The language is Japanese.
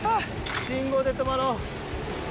信号で止まろう。